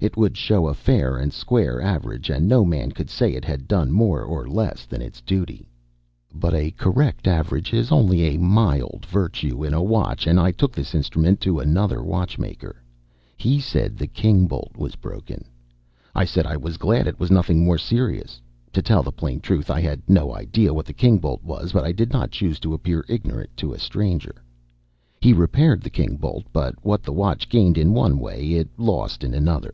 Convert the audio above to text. It would show a fair and square average, and no man could say it had done more or less than its duty. But a correct average is only a mild virtue in a watch, and I took this instrument to another watchmaker. He said the king bolt was broken. I said I was glad it was nothing more serious. To tell the plain truth, I had no idea what the king bolt was, but I did not choose to appear ignorant to a stranger. He repaired the king bolt, but what the watch gained in one way it lost in another.